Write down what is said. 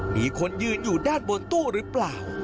มีคนยืนอยู่ด้านบนตู้หรือเปล่า